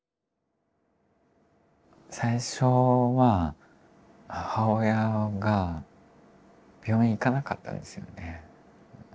最初は母親が病院行かなかったんですよね。